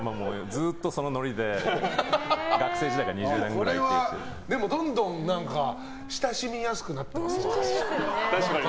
ずっと、そのノリで学生時代から２０年ぐらいでもどんどん親しみやすくなってますね。